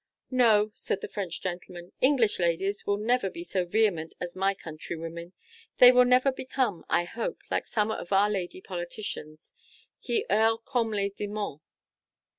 "No," said the French gentleman, "English ladies will never be so vehement as my countrywomen; they will never become, I hope, like some of our lady politicians, 'qui heurlent comme des demons.